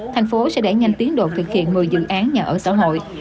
tp hcm sẽ đẩy nhanh tiến độ thực hiện một mươi dự án nhà ở xã hội